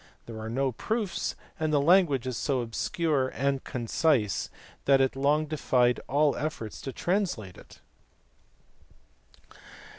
There are no proofs, and the language is so obscure and concise that it long defied all efforts to translate it*.